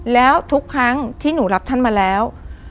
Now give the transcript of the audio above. แล้วทุกครั้งที่หนูรับท่านมาแล้ว